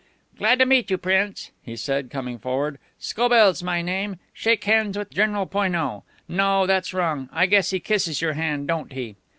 "Glad to meet you, Prince," he said, coming forward. "Scobell's my name. Shake hands with General Poineau. No, that's wrong. I guess he kisses your hand, don't he?"